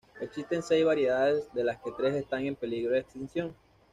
Existen seis variedades, de las que tres están en peligro de extinción.